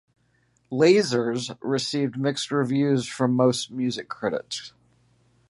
"Lasers" received mixed reviews from most music critics.